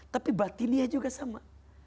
tapi batinnya juga sama